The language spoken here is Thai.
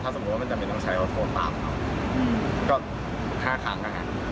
ถ้าสมมุติว่ามันจะไม่ต้องใช้เขาโทรตามก็๕ครั้ง